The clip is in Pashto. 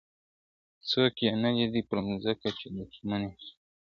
څوک یې نه لیدی پر مځکه چي دښمن وي ..